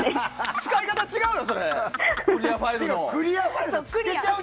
使い方違うよ！